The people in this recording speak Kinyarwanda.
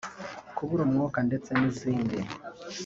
kubura umwuka ndetse n’zindi